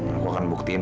aku akan buktiin